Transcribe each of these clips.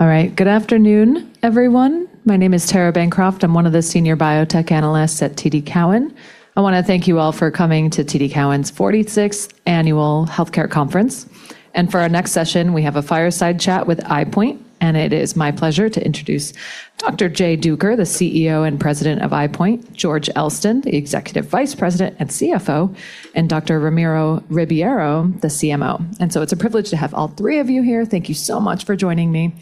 All right. Good afternoon, everyone. My name is Tara Bancroft. I'm one of the senior biotech analysts at TD Cowen. I wanna thank you all for coming to TD Cowen's 46th Annual Healthcare Conference. For our next session, we have a fireside chat with EyePoint, and it is my pleasure to introduce Dr. Jay Duker, the CEO and President of EyePoint, George Elston, the Executive Vice President and CFO, and Dr. Ramiro Ribeiro, the CMO. It's a privilege to have all three of you here. Thank you so much for joining me.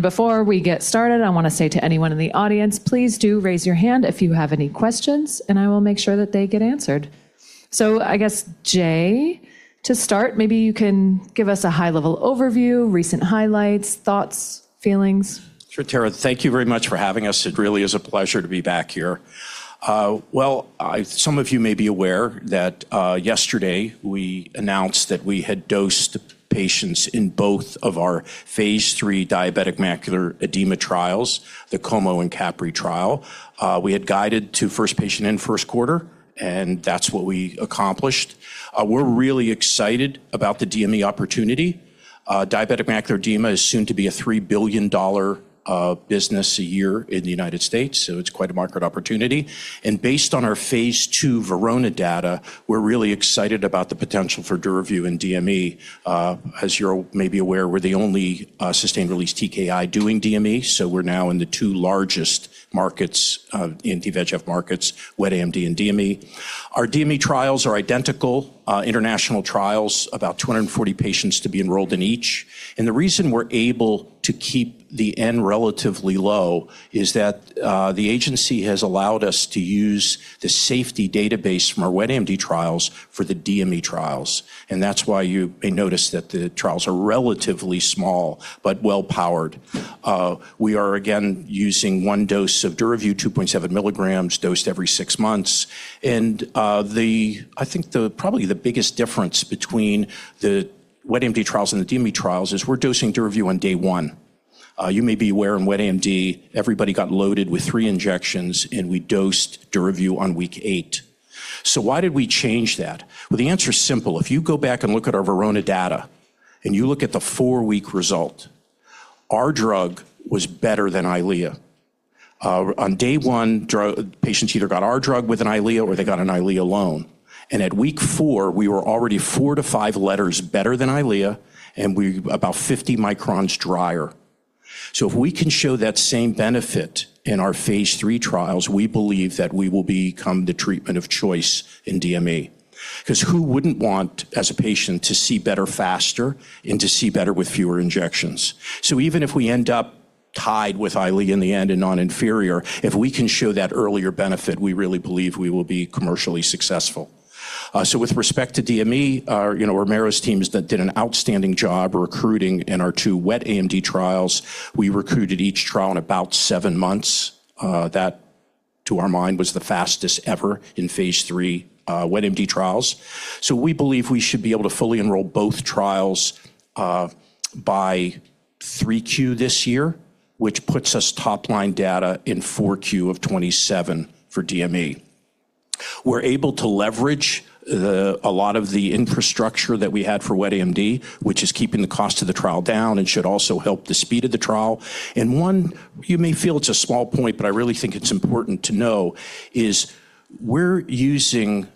Before we get started, I wanna say to anyone in the audience, please do raise your hand if you have any questions, and I will make sure that they get answered. I guess, Jay, to start, maybe you can give us a high-level overview, recent highlights, thoughts, feelings. Sure, Tara. Thank you very much for having us. It really is a pleasure to be back here. Well, some of you may be aware that yesterday we announced that we had dosed patients in both of our phase III diabetic macular edema trials, the COMO and CAPRI trial. We had guided to first patient in first quarter, and that's what we accomplished. We're really excited about the DME opportunity. Diabetic macular edema is soon to be a $3 billion business a year in the United States, so it's quite a market opportunity. Based on our phase II VERONA data, we're really excited about the potential for DURAVYU and DME. As you're may be aware, we're the only sustained release TKI doing DME, so we're now in the two largest markets in VEGF markets, wet AMD and DME. Our DME trials are identical, international trials, about 240 patients to be enrolled in each. The reason we're able to keep the N relatively low is that the agency has allowed us to use the safety database from our wet AMD trials for the DME trials. That's why you may notice that the trials are relatively small but well-powered. We are again using 1 dose of DURAVYU, 2.7 milligrams dosed every six months. I think the probably the biggest difference between the wet AMD trials and the DME trials is we're dosing DURAVYU on day one. You may be aware in wet AMD, everybody got loaded with three injections, and we dosed DURAVYU on week eight. Why did we change that? Well, the answer is simple. If you go back and look at our VERONA data and you look at the four-week result, our drug was better than EYLEA. On day one, patients either got our drug with an EYLEA or they got an EYLEA alone. At week four, we were already four to five letters better than EYLEA, and we about 50 microns drier. If we can show that same benefit in our phase III trials, we believe that we will become the treatment of choice in DME. 'Cause who wouldn't want, as a patient, to see better faster and to see better with fewer injections? Even if we end up tied with EYLEA in the end and non-inferior, if we can show that earlier benefit, we really believe we will be commercially successful. With respect to DME, our, you know, Ramiro's teams that did an outstanding job recruiting in our two wet AMD trials. We recruited each trial in about 7 months. That, to our mind, was the fastest ever in phase III, wet AMD trials. We believe we should be able to fully enroll both trials, by 3Q this year, which puts us top-line data in 4Q of 2027 for DME. We're able to leverage a lot of the infrastructure that we had for wet AMD, which is keeping the cost of the trial down and should also help the speed of the trial. One, you may feel it's a small point, but I really think it's important to know, is we're using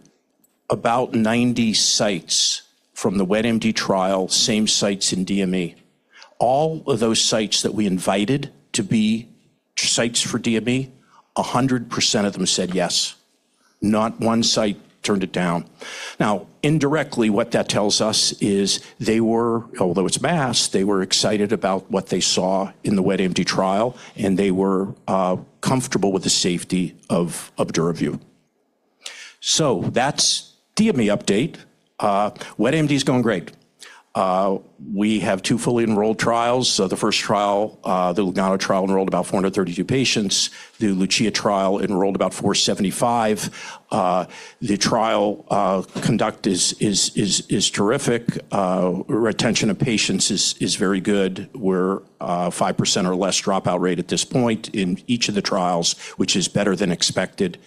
about 90 sites from the wet AMD trial, same sites in DME. All of those sites that we invited to be sites for DME, 100% of them said yes. Not one site turned it down. Indirectly, what that tells us is they were, although it's masked, they were excited about what they saw in the wet AMD trial, and they were comfortable with the safety of DURAVYU. That's DME update. Wet AMD is going great. We have two fully enrolled trials. The first trial, the LUGANO trial enrolled about 432 patients. The LUCIA trial enrolled about 475. The trial conduct is terrific. Retention of patients is very good. We're 5% or less dropout rate at this point in each of the trials, which is better than expected.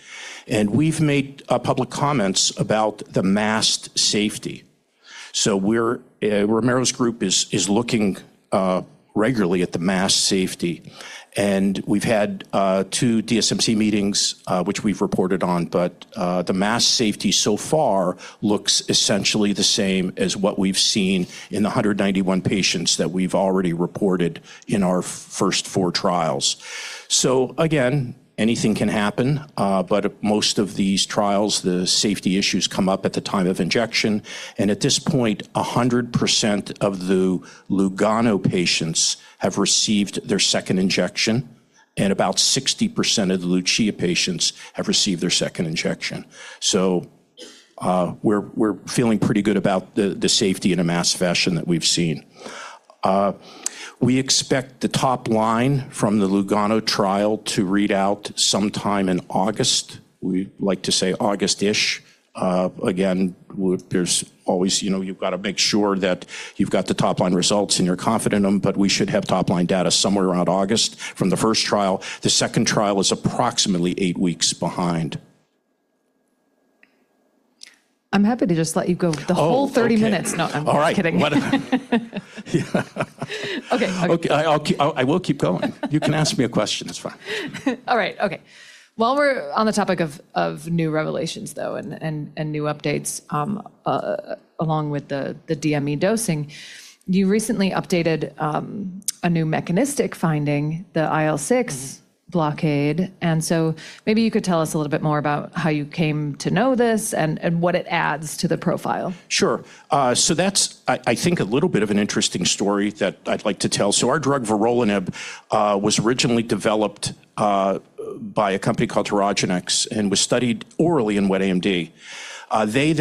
We've made public comments about the masked safety. We're Ramiro's group is looking regularly at the masked safety. We've had two DSMC meetings which we've reported on. The masked safety so far looks essentially the same as what we've seen in the 191 patients that we've already reported in our first four trials. Again, anything can happen, but most of these trials, the safety issues come up at the time of injection. At this point, 100% of the LUGANO patients have received their second injection, and about 60% of the LUCIA patients have received their second injection. We're feeling pretty good about the safety in a masked fashion that we've seen. We expect the top line from the LUGANO trial to read out sometime in August. We like to say August-ish. Again, there's always, you know, you've gotta make sure that you've got the top-line results and you're confident in them. We should have top-line data somewhere around August from the first trial. The second trial is approximately eight weeks behind. I'm happy to just let you go the whole 30 minutes. Oh, okay. No, I'm kidding. All right. What about? Okay. Okay. I will keep going. You can ask me a question. It's fine. All right. Okay. While we're on the topic of new revelations, though, and new updates, along with the DME dosing, you recently updated a new mechanistic finding, the IL-6 blockade. Maybe you could tell us a little bit more about how you came to know this and what it adds to the profile? Sure. That's I think a little bit of an interesting story that I'd like to tell. Our drug, Vorolanib, was originally developed by a company called Tyrogenex and was studied orally in wet AMD. They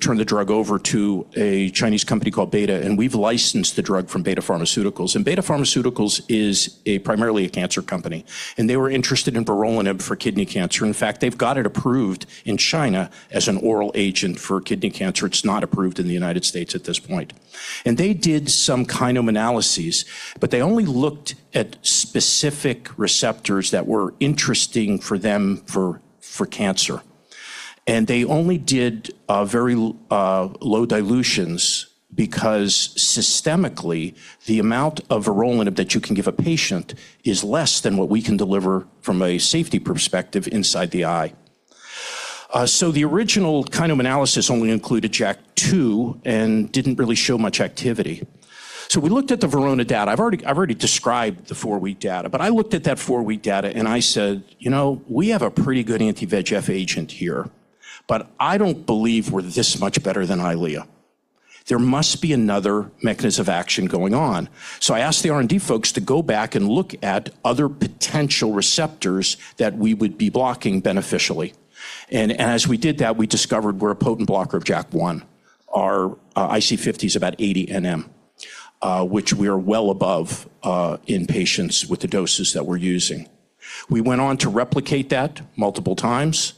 turned the drug over to a Chinese company called Betta, and we've licensed the drug from Betta Pharmaceuticals. Betta Pharmaceuticals is a primarily a cancer company, and they were interested in Vorolanib for kidney cancer. In fact, they've got it approved in China as an oral agent for kidney cancer. It's not approved in the United States at this point. They did some Kinome analyses, but they only looked at specific receptors that were interesting for them for cancer. They only did very low dilutions because systemically, the amount of Vorolanib that you can give a patient is less than what we can deliver from a safety perspective inside the eye. The original Kinome analysis only included JAK2 and didn't really show much activity. We looked at the VERONA data. I've already described the 4-week data, but I looked at that 4-week data, and I said, "You know, we have a pretty good anti-VEGF agent here, but I don't believe we're this much better than EYLEA. There must be another mechanism of action going on." I asked the R&D folks to go back and look at other potential receptors that we would be blocking beneficially. And as we did that, we discovered we're a potent blocker of JAK1. Our IC50 is about 80 nM, which we are well above, in patients with the doses that we're using. We went on to replicate that multiple times.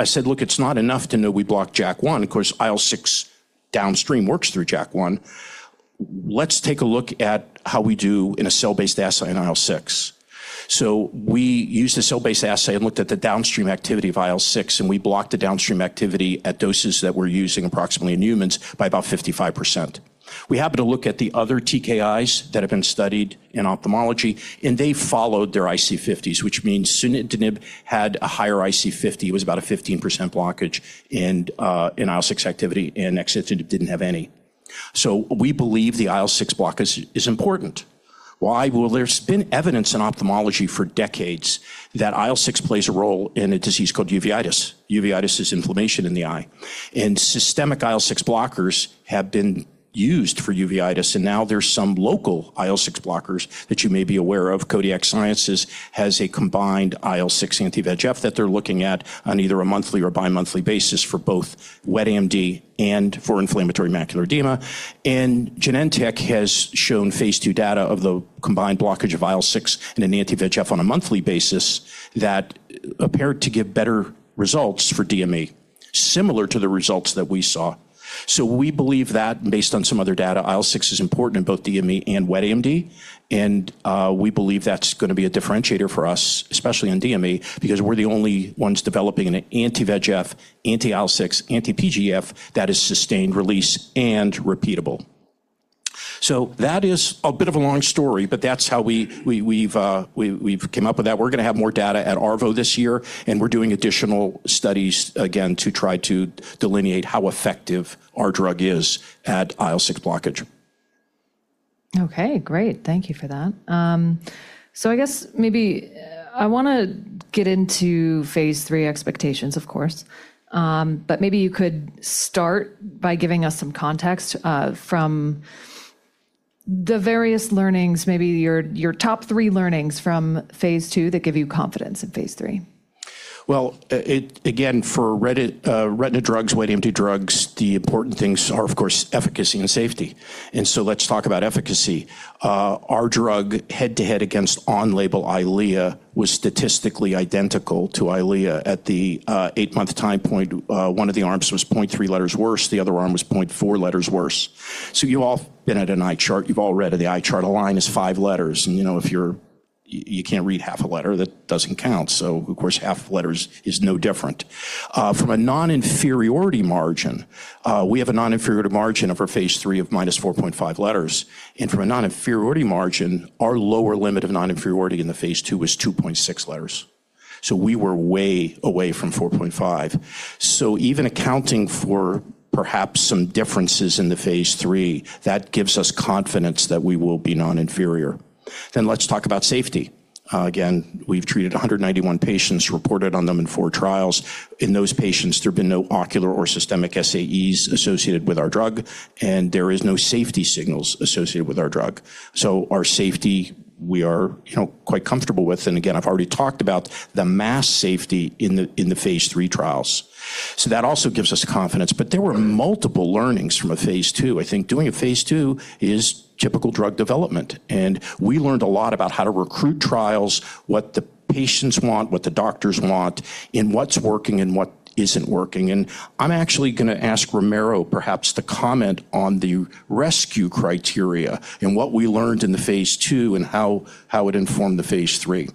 I said, "Look, it's not enough to know we block JAK1." Of course, IL-6 downstream works through JAK1. Let's take a look at how we do in a cell-based assay in IL-6. We used a cell-based assay and looked at the downstream activity of IL-6, and we blocked the downstream activity at doses that we're using approximately in humans by about 55%. We happened to look at the other TKIs that have been studied in ophthalmology, and they followed their IC50s, which means Sunitinib had a higher IC50. It was about a 15% blockage in IL-6 activity, and Axitinib didn't have any. We believe the IL-6 block is important. Why? Well, there's been evidence in ophthalmology for decades that IL-6 plays a role in a disease called uveitis. Uveitis is inflammation in the eye. Systemic IL-6 blockers have been used for uveitis, and now there's some local IL-6 blockers that you may be aware of. Kodiak Sciences has a combined IL-6 anti-VEGF that they're looking at on either a monthly or bimonthly basis for both wet AMD and for inflammatory macular edema. Genentech has shown phase II data of the combined blockage of IL-6 in an anti-VEGF on a monthly basis that appeared to give better results for DME, similar to the results that we saw. We believe that based on some other data, IL-6 is important in both DME and wet AMD, and we believe that's gonna be a differentiator for us, especially in DME, because we're the only ones developing an anti-VEGF, anti-IL-6, anti-PGF that is sustained release and repeatable. That is a bit of a long story, but that's how we've came up with that. We're gonna have more data at ARVO this year, and we're doing additional studies again to try to delineate how effective our drug is at IL-6 blockage. Okay, great. Thank you for that. I guess maybe I wanna get into phase III expectations, of course. Maybe you could start by giving us some context from the various learnings, maybe your top three learnings from phase II that give you confidence in phase III. Well, it again, for retina drugs, wet AMD drugs, the important things are, of course, efficacy and safety. Let's talk about efficacy. Our drug head-to-head against on-label EYLEA was statistically identical to EYLEA. At the eight-month time point, one of the arms was 0.3 letters worse, the other arm was 0.4 letters worse. You've all been at an eye chart. You've all read the eye chart. A line is 5 letters, and, you know, if you can't read half a letter, that doesn't count. Of course, half letters is no different. From a non-inferiority margin, we have a non-inferiority margin of our phase III of -4.5 letters. From a non-inferiority margin, our lower limit of non-inferiority in the phase II was 2.6 letters. We were way away from 4.5. Even accounting for perhaps some differences in the phase III, that gives us confidence that we will be non-inferior. Let's talk about safety. Again, we've treated 191 patients, reported on them in 4 trials. In those patients, there have been no ocular or systemic SAEs associated with our drug, and there is no safety signals associated with our drug. Our safety, we are, you know, quite comfortable with. Again, I've already talked about the mass safety in the, in the phase III trials. That also gives us confidence. There were multiple learnings from a phase II. I think doing a phase II is typical drug development, and we learned a lot about how to recruit trials, what the patients want, what the doctors want, and what's working and what isn't working. I'm actually gonna ask Romero perhaps to comment on the rescue criteria and what we learned in the phase II and how it informed the phase III.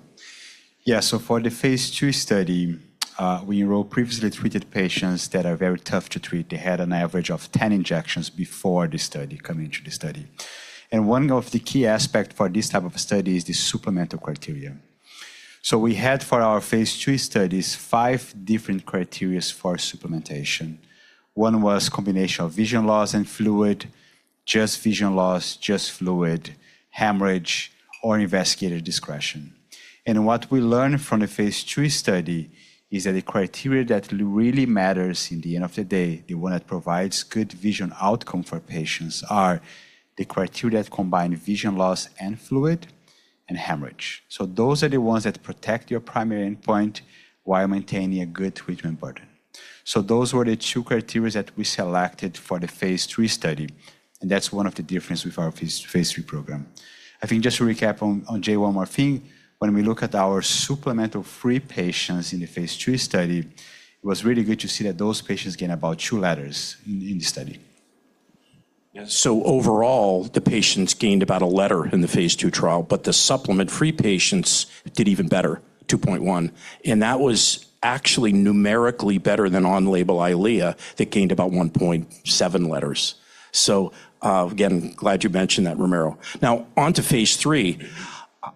For the phase II study, we enrolled previously treated patients that are very tough to treat. They had an average of 10 injections before the study, coming into the study. One of the key aspect for this type of study is the supplemental criteria. We had for our phase II studies five different criteria for supplementation. One was combination of vision loss and fluid, just vision loss, just fluid, hemorrhage, or investigator discretion. What we learned from the phase II study is that the criteria that really matters in the end of the day, the one that provides good vision outcome for patients, are the criteria that combine vision loss and fluid and hemorrhage. Those are the ones that protect your primary endpoint while maintaining a good treatment burden. Those were the two criteria that we selected for the phase II study. That's one of the difference with our phase III program. I think just to recap on Jay one more thing, when we look at our supplemental free patients in the phase II study, it was really good to see that those patients gain about two letters in the study. Yeah. Overall, the patients gained about a letter in the phase II trial, the supplement free patients did even better, 2.1, that was actually numerically better than on-label Eylea that gained about 1.7 letters. Again, glad you mentioned that, Romero. Now on to phase III.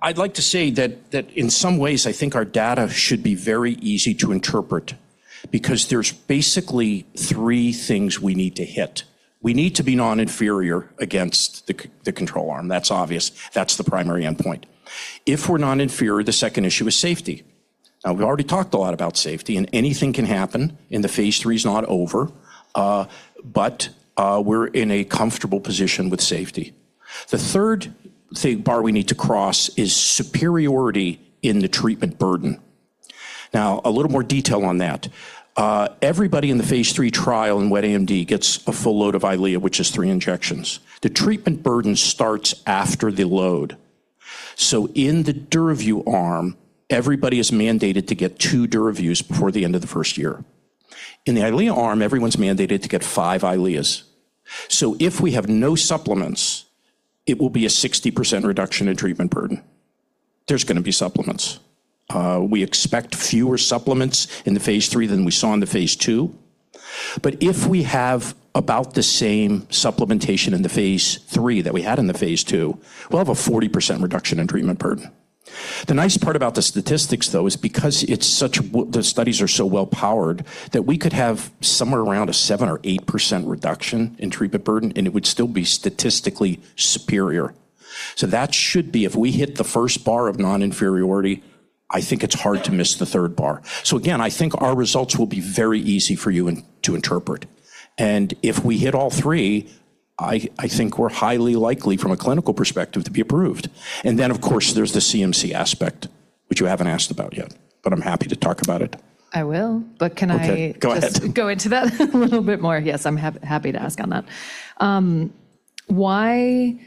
I'd like to say that in some ways I think our data should be very easy to interpret because there's basically three things we need to hit. We need to be non-inferior against the control arm. That's obvious. That's the primary endpoint. If we're non-inferior, the second issue is safety. Now, we've already talked a lot about safety, and anything can happen, and the phase III's not over, but we're in a comfortable position with safety. The third bar we need to cross is superiority in the treatment burden. Now, a little more detail on that. Everybody in the phase III trial in wet AMD gets a full load of EYLEA, which is three injections. The treatment burden starts after the load. In the DURAVYU arm, everybody is mandated to get two DURAVYUs before the end of the first year. In the EYLEA arm, everyone's mandated to get five EYLEAs. If we have no supplements, it will be a 60% reduction in treatment burden. There's gonna be supplements. We expect fewer supplements in the phase III than we saw in the phase II. If we have about the same supplementation in the phase III that we had in the phase II, we'll have a 40% reduction in treatment burden. The nice part about the statistics, though, is because it's such the studies are so well powered that we could have somewhere around a 7% or 8% reduction in treatment burden, and it would still be statistically superior. That should be... If we hit the first bar of non-inferiority, I think it's hard to miss the third bar. Again, I think our results will be very easy for you to interpret. If we hit all three, I think we're highly likely from a clinical perspective to be approved. Then of course, there's the CMC aspect, which you haven't asked about yet, but I'm happy to talk about it. I will. Okay, go ahead. Just go into that a little bit more. Yes, I'm happy to ask on that. Why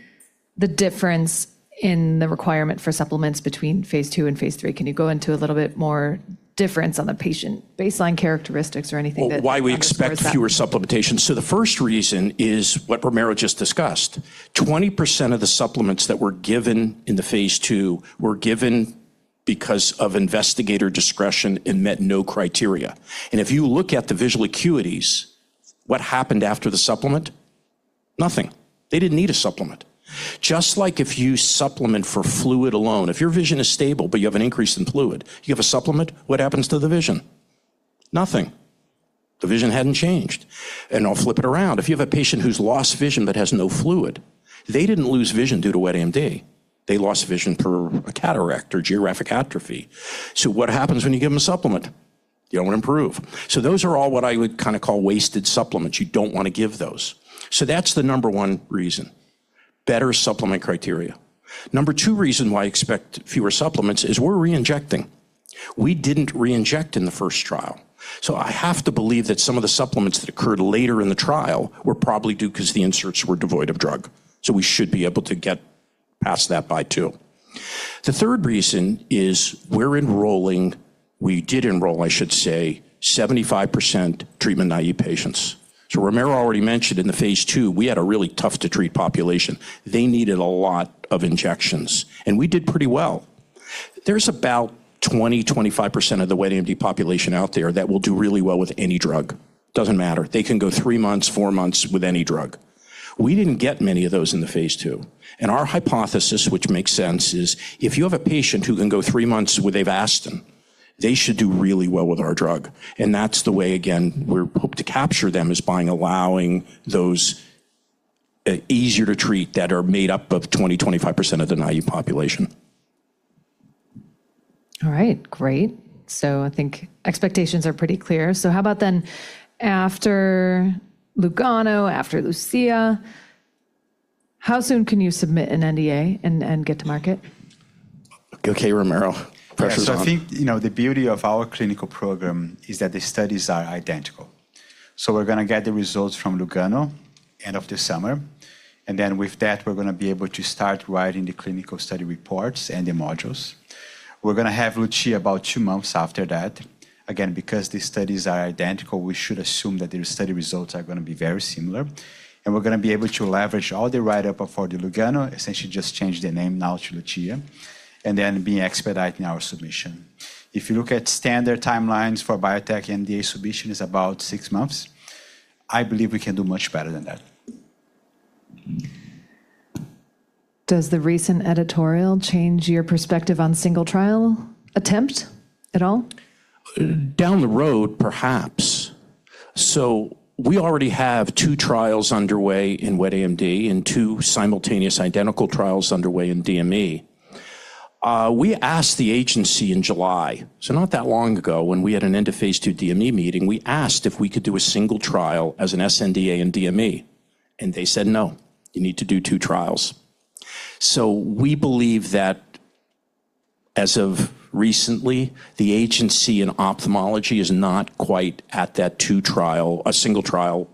the difference in the requirement for supplements between phase II and phase III? Can you go into a little bit more difference on the patient baseline characteristics or anything that underpins that? Why we expect fewer supplementation. The first reason is what Romero just discussed. 20% of the supplements that were given in the phase II were given because of investigator discretion and met no criteria. If you look at the visual acuities, what happened after the supplement? Nothing. They didn't need a supplement. Just like if you supplement for fluid alone, if your vision is stable, but you have an increase in fluid, you have a supplement, what happens to the vision? Nothing. The vision hadn't changed. I'll flip it around. If you have a patient who's lost vision but has no fluid, they didn't lose vision due to wet AMD. They lost vision through a cataract or geographic atrophy. What happens when you give them a supplement? They don't improve. Those are all what I would kinda call wasted supplements. You don't wanna give those. That's the number 1 reason, better supplement criteria. Number two reason why I expect fewer supplements is we're reinjecting. We didn't reinject in the first trial. I have to believe that some of the supplements that occurred later in the trial were probably due 'cause the inserts were devoid of drug. We should be able to get past that by two. The third reason is we did enroll, I should say, 75% treatment-naive patients. Romero already mentioned in the phase II, we had a really tough-to-treat population. They needed a lot of injections, and we did pretty well. There's about 20%-25% of the wet AMD population out there that will do really well with any drug. Doesn't matter. They can go three months, four months with any drug. We didn't get many of those in the phase II. Our hypothesis, which makes sense, is if you have a patient who can go three months with Avastin, they should do really well with our drug. That's the way, again, hope to capture them is by allowing those easier to treat that are made up of 20%-25% of the naive population. All right. Great. I think expectations are pretty clear. How about then after LUGANO, after LUCIA, how soon can you submit an NDA and get to market? Okay, Romero. Pressure's on. I think, you know, the beauty of our clinical program is that the studies are identical. We're gonna get the results from Lugano end of the summer. With that, we're gonna be able to start writing the clinical study reports and the modules. We're gonna have Lucia about two months after that. Because these studies are identical, we should assume that their study results are gonna be very similar, and we're gonna be able to leverage all the write-up for the LUGANO, essentially just change the name now to LUCIA, and then be expediting our submission. If you look at standard timelines for biotech NDA submission is about six months. I believe we can do much better than that. Does the recent editorial change your perspective on single trial attempt at all? Down the road, perhaps. We already have two trials underway in wet AMD and 2 simultaneous identical trials underway in DME. We asked the agency in July, not that long ago, when we had an end of phase II DME meeting, we asked if we could do a single trial as an NDA in DME, and they said, "No, you need to do two trials." We believe that as of recently, the agency in ophthalmology is not quite at that a single trial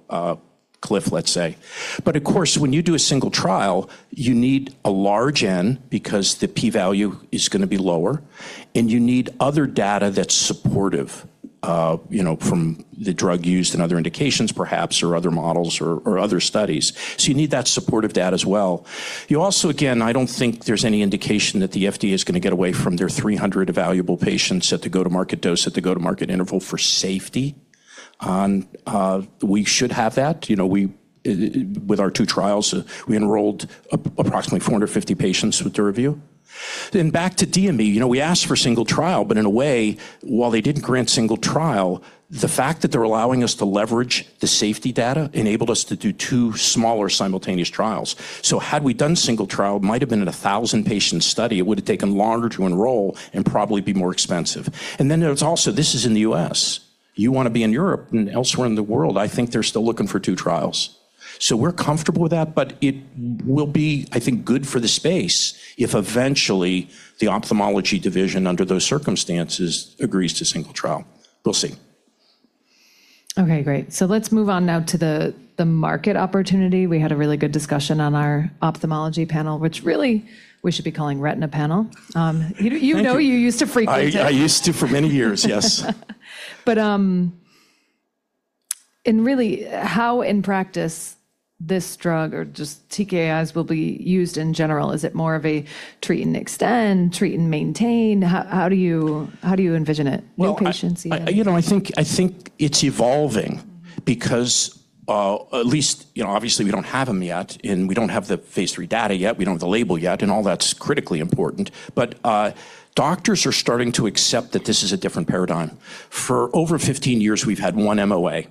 cliff, let's say. Of course, when you do a single trial, you need a large N because the P value is gonna be lower, and you need other data that's supportive, you know, from the drug used in other indications perhaps, or other models or other studies. You need that supportive data as well. You also, again, I don't think there's any indication that the FDA is gonna get away from their 300 evaluable patients at the go-to-market dose, at the go-to-market interval for safety on. We should have that. You know, with our two trials, we enrolled approximately 450 patients with DURAVYU. Back to DME. You know, we asked for single trial, but in a way, while they didn't grant single trial, the fact that they're allowing us to leverage the safety data enabled us to do two smaller simultaneous trials. Had we done single trial, it might have been in a 1,000-patient study. It would have taken longer to enroll and probably be more expensive. There's also, this is in the U.S. You wanna be in Europe and elsewhere in the world. I think they're still looking for two trials. We're comfortable with that, but it will be, I think, good for the space if eventually the ophthalmology division under those circumstances agrees to single trial. We'll see. Okay, great. Let's move on now to the market opportunity. We had a really good discussion on our ophthalmology panel, which really we should be calling retina panel. Thank you. You know you used to frequent it. I used to for many years, yes. Really, how in practice this drug or just TKIs will be used in general, is it more of a treat and extend, treat and maintain? How do you, how do you envision it? New patients, even… I, you know, I think it's evolving because, at least, you know, obviously we don't have them yet, and we don't have the phase III data yet. We don't have the label yet. All that's critically important. Doctors are starting to accept that this is a different paradigm. For over 15 years, we've had one MOA.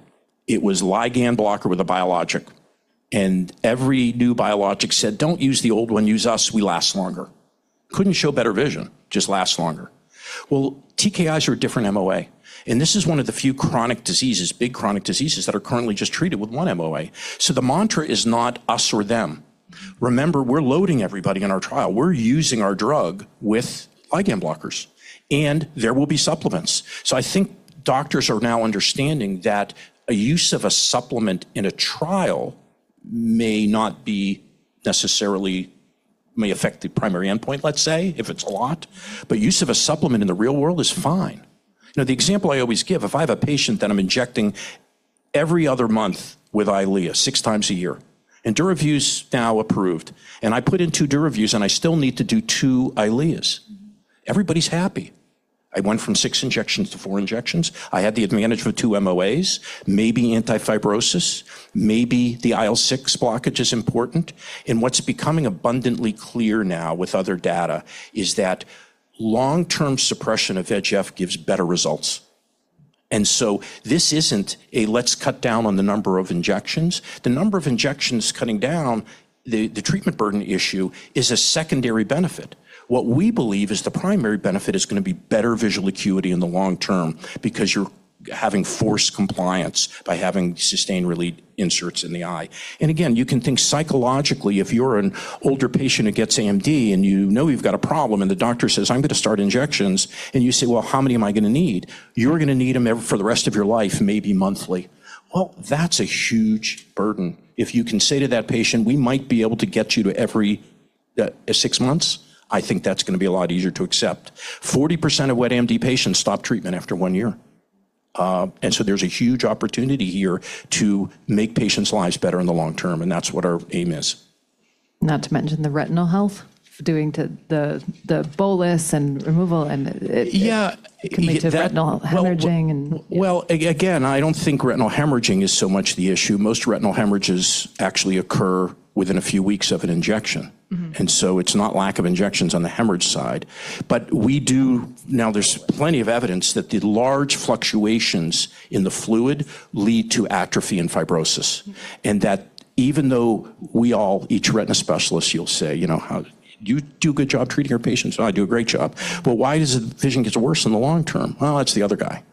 It was ligand blocker with a biologic, and every new biologic said, "Don't use the old one. Use us. We last longer." Couldn't show better vision, just last longer. TKIs are a different MOA, and this is one of the few chronic diseases, big chronic diseases that are currently just treated with one MOA. The mantra is not us or them. Remember, we're loading everybody in our trial. We're using our drug with ligand blockers, and there will be supplements. I think doctors are now understanding that a use of a supplement in a trial may not be may affect the primary endpoint, let's say, if it's a lot, but use of a supplement in the real world is fine. You know, the example I always give, if I have a patient that I'm injecting every other month with EYLEA 6x a year, and DURAVYU's now approved, and I put in 2 DURAVYUs, and I still need to do two EYLEAs, everybody's happy. I went from six injections to four injections. I had the advantage of 2 MOAs, maybe anti-fibrosis, maybe the IL-6 blockage is important. What's becoming abundantly clear now with other data is that long-term suppression of VEGF gives better results. This isn't a let's cut down on the number of injections. The number of injections cutting down the treatment burden issue is a secondary benefit. What we believe is the primary benefit is gonna be better visual acuity in the long term because you're having forced compliance by having sustained-release inserts in the eye. Again, you can think psychologically, if you're an older patient who gets AMD, and you know you've got a problem, and the doctor says, "I'm gonna start injections." You say, "How many am I gonna need?" "You're gonna need them for the rest of your life, maybe monthly." That's a huge burden. If you can say to that patient, "We might be able to get you to every six months," I think that's gonna be a lot easier to accept. 40% of wet AMD patients stop treatment after one year. There's a huge opportunity here to make patients' lives better in the long term, and that's what our aim is. Not to mention the retinal health doing to the bolus and removal. Yeah. Can lead to retinal hemorrhaging. Well, again, I don't think retinal hemorrhaging is so much the issue. Most retinal hemorrhages actually occur within a few weeks of an injection. Mm-hmm. It's not lack of injections on the hemorrhage side. Now there's plenty of evidence that the large fluctuations in the fluid lead to atrophy and fibrosis, and that even though we all, each retina specialist, you'll say, you know, "How you do a good job treating our patients." "I do a great job." "But why does the vision gets worse in the long term?" "Well, that's the other guy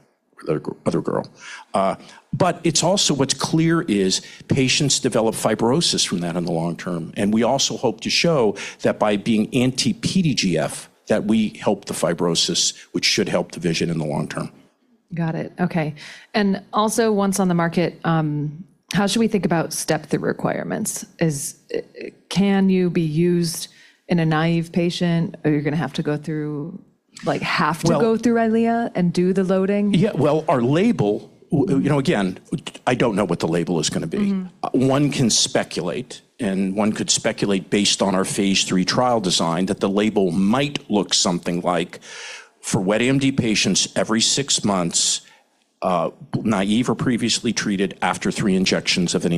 or the other girl." It's also what's clear is patients develop fibrosis from that in the long term, and we also hope to show that by being anti-PDGF, that we help the fibrosis, which should help the vision in the long term. Got it. Okay. Also once on the market, how should we think about step the requirements? Can you be used in a naive patient, or you're gonna have to go through Eylea and do the loading? Yeah. Well, our label, which, you know, again, which I don't know what the label is gonna be. Mm-hmm. One can speculate, and one could speculate based on our phase III trial design that the label might look something like for wet AMD patients every 6 months, naive or previously treated after 3 injections of an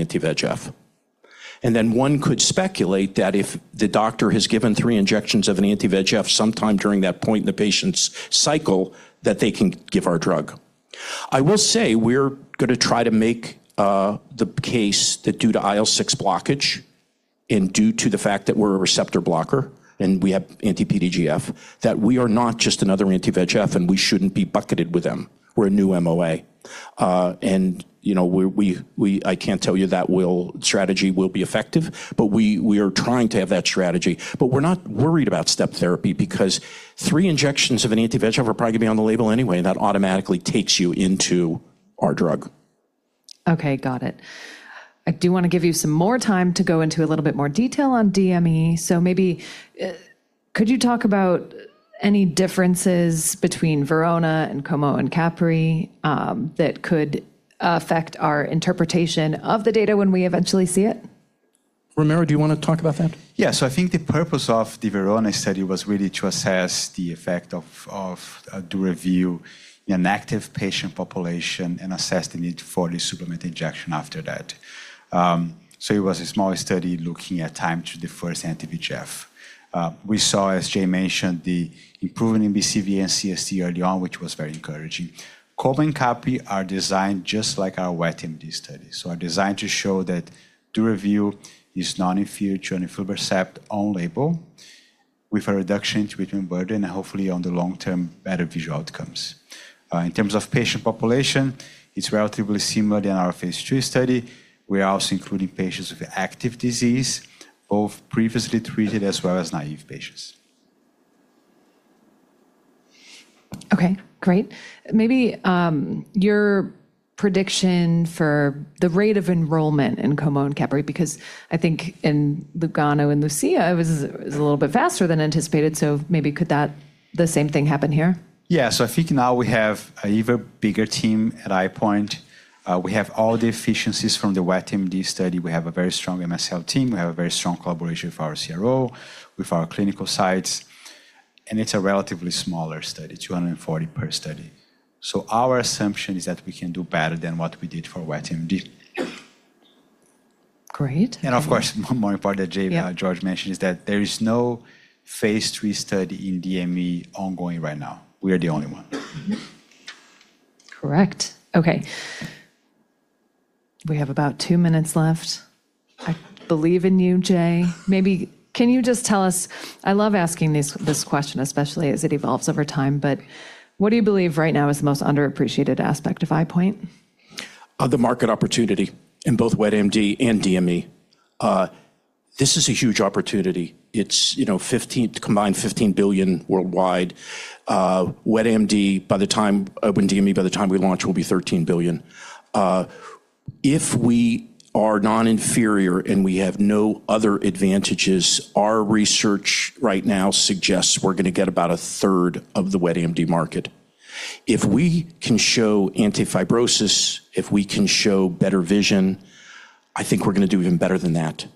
anti-VEGF. One could speculate that if the doctor has given 3 injections of an anti-VEGF sometime during that point in the patient's cycle, that they can give our drug. I will say we're gonna try to make the case that due to IL-6 blockage and due to the fact that we're a receptor blocker and we have anti-PDGF, that we are not just another anti-VEGF, and we shouldn't be bucketed with them. We're a new MOA. You know, we I can't tell you that strategy will be effective, we are trying to have that strategy. we're not worried about step therapy because three injections of an anti-VEGF are probably gonna be on the label anyway. That automatically takes you into our drug. Okay. Got it. I do wanna give you some more time to go into a little bit more detail on DME. Maybe, could you talk about any differences between VERONA and COMO and CAPRI, that could affect our interpretation of the data when we eventually see it? Romero, do you wanna talk about that? I think the purpose of the VERONA study was really to assess the effect of DURAVYU in active patient population and assess the need for the supplement injection after that. It was a small study looking at time to the first anti-VEGF. We saw, as Jay mentioned, the improvement in BCVA and CST early on, which was very encouraging. COMO and CAPRI are designed just like our wet AMD study. Are designed to show that DURAVYU is non-inferior to aflibercept on label with a reduction in treatment burden and hopefully on the long-term better visual outcomes. In terms of patient population, it's relatively similar than our phase II study. We are also including patients with active disease, both previously treated as well as naive patients. Okay, great. Maybe, your prediction for the rate of enrollment in COMO and CAPRI, because I think in LUGANO and LUCIA, it was a little bit faster than anticipated, maybe could the same thing happen here? Yeah. I think now we have an even bigger team at EyePoint. We have all the efficiencies from the wet AMD study. We have a very strong MSL team. We have a very strong collaboration with our CRO, with our clinical sites, and it's a relatively smaller study, 240 per study. Our assumption is that we can do better than what we did for wet AMD. Great. Of course, one more part that Jay... Yeah. George mentioned is that there is no phase III study in DME ongoing right now. We are the only one. Correct. Okay. We have about two minutes left. I believe in you, Jay. I love asking this question, especially as it evolves over time, what do you believe right now is the most underappreciated aspect of EyePoint? The market opportunity in both wet AMD and DME. This is a huge opportunity. It's, you know, combined $15 billion worldwide. When DME, by the time we launch, will be $13 billion. If we are non-inferior and we have no other advantages, our research right now suggests we're gonna get about a third of the wet AMD market. If we can show anti-fibrosis, if we can show better vision, I think we're gonna do even better than that.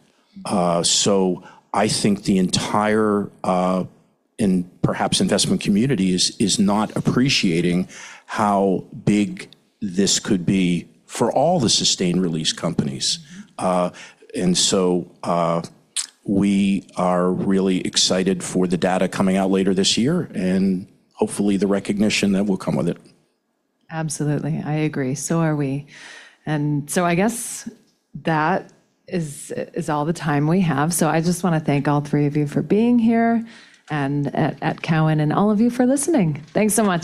I think the entire and perhaps investment community is not appreciating how big this could be for all the sustained release companies. We are really excited for the data coming out later this year and hopefully the recognition that will come with it. Absolutely. I agree. So are we. I guess that is all the time we have. I just wanna thank all three of you for being here and at Cowen and all of you for listening. Thanks so much.